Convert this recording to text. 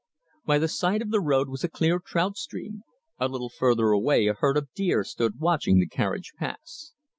By the side of the road was a clear trout stream, a little further away a herd of deer stood watching the carriage pass.